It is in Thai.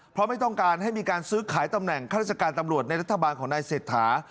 เพราะไม่ต้องการให้มีการซื้อขายตำแหน่งข้าราชการตำรวจในรัฐบาลของนายเศรษฐา